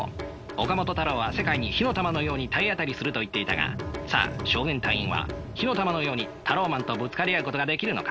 岡本太郎は世界に火の玉のように体当たりすると言っていたがさあ少年隊員は火の玉のようにタローマンとぶつかり合うことができるのか？